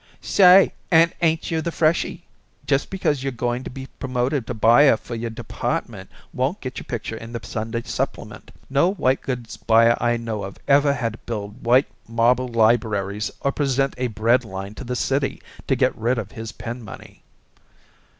"Say, and ain't you the freshie! Just because you're going to be promoted to buyer for your department won't get your picture in the Sunday supplement. No white goods buyer I know of ever had to build white marble libraries or present a bread line to the city to get rid of his pin money."